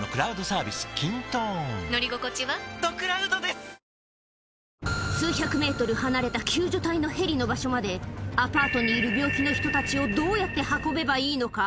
するとジョンは、数百メートル離れた救助隊のヘリの場所まで、アパートにいる病気の人たちをどうやって運べばいいのか。